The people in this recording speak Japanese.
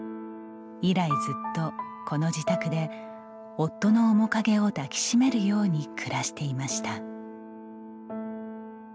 以来ずっとこの自宅で夫の面影を抱き締めるように暮らしていました。